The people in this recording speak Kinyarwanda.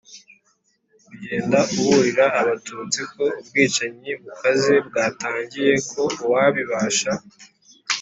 kugenda aburira Abatutsi ko ubwicanyi bukaze bwatangiye ko uwabibasha